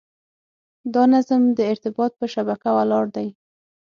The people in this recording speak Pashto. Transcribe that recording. دا نظم د ارتباط په شبکه ولاړ دی.